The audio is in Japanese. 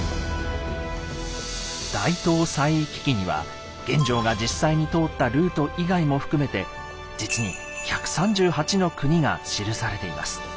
「大唐西域記」には玄奘が実際に通ったルート以外も含めて実に１３８の国が記されています。